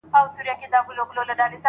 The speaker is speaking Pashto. څه به وساتي ځالۍ د توتکیو.